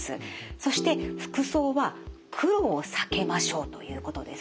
そして服装は黒を避けましょうということですね。